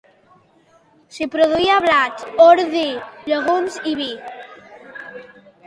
S'hi produïa blat, ordi, llegums i vi.